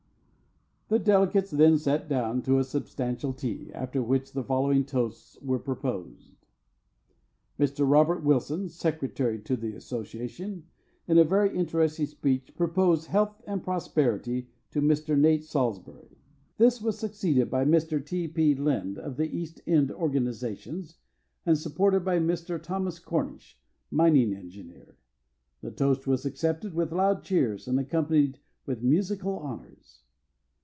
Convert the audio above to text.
The delegates then sat down to a substantial tea, after which the following toasts were proposed: Mr. Robert Wilson (secretary to the association) in a very interesting speech proposed "Health and Prosperity to Mr. Nate Salsbury." This was seconded by Mr. T. P. Lind of the East End organizations, and supported by Mr. Thomas Cornish, mining engineer. The toast was accepted with loud cheers and accompanied with musical honors.